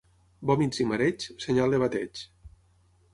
Vòmits i mareig, senyal de bateig.